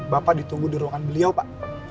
bapak ditunggu di ruangan beliau pak